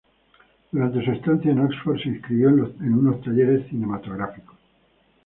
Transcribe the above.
Durante su estancia en Oxford se inscribió en unos talleres cinematográficos.